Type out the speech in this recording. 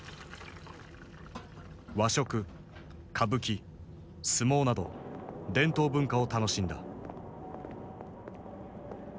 和食歌舞伎相撲など伝統文化を楽しんだ。